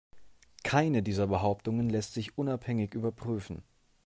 Keine dieser Behauptungen lässt sich unabhängig überprüfen.